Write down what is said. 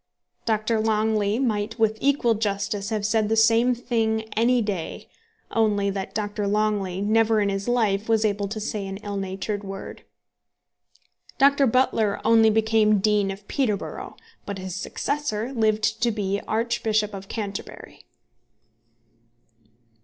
Dr. Longley might with equal justice have said the same thing any day, only that Dr. Longley never in his life was able to say an ill natured word. Dr. Butler only became Dean of Peterborough, but his successor lived to be Archbishop of Canterbury.